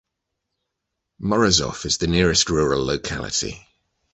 Morozov is the nearest rural locality.